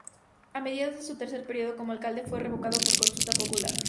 A mediados de su tercer periodo como alcalde fue revocado por consulta popular.